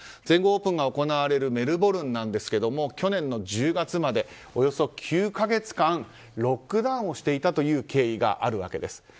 全豪オープンが行われるメルボルンですが去年の１０月までおよそ９か月間ロックダウンをしていたという経緯があるわけです。